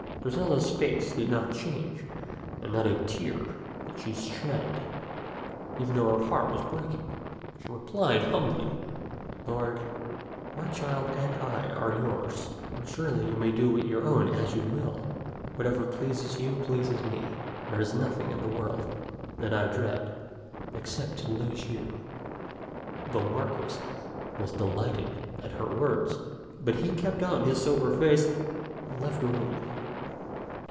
Griselda's face did not change, and not a tear did she shed, even though her heart was breaking. She replied humbly, " Lord, my child and I are yours, and surely you may do with your own as you will. Whatever pleases you pleases me. There is nothing in the world that I dread except to lose you." The Marquis was delighted at her w^ords, but he kept on his sober face, and left the room.